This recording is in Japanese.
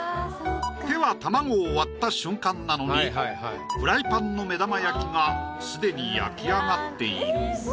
手は卵を割った瞬間なのにフライパンの目玉焼きがすでに焼き上がっている。